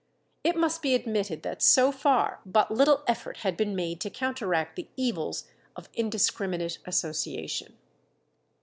It must be admitted that so far but little effort had been made to counteract the evils of indiscriminate association.